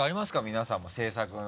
皆さんも制作の。